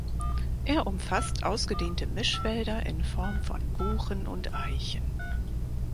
Er umfasst ausgedehnte Mischwälder in Form von Buchen und Eichen.